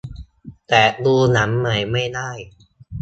แต่ดูหนังใหม่ไม่ได้